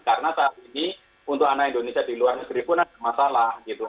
karena saat ini untuk anak indonesia di luar negeri pun ada masalah gitu